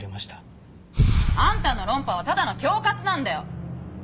あんたの論破はただの恐喝なんだよ！